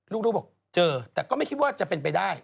ลูกบอกเจอแต่ก็ไม่คิดว่าจะเป็นไปได้